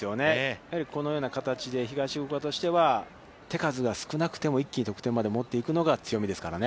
やはり、このような形で東福岡としては手数が少なくても一気に得点まで持っていくのが強みですからね。